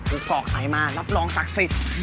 อกไขมารับรองศักดิ์สิทธิ์